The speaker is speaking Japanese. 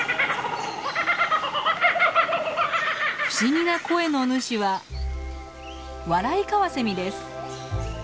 不思議な声の主はワライカワセミです。